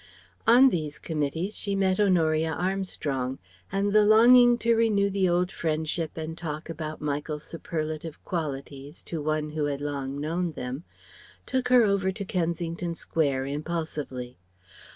On these committees she met Honoria Armstrong, and the longing to renew the old friendship and talk about Michael's superlative qualities to one who had long known them, took her over to Kensington Square, impulsively.